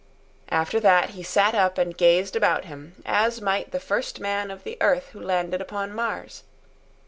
After that he sat up and gazed about him, as might the first man of the earth who landed upon Mars.